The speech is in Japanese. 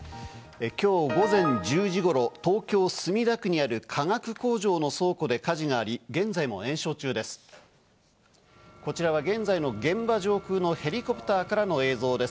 今日午前１０時頃、東京・墨田区にある化学工場の倉庫で火事があり、現在も延焼中です。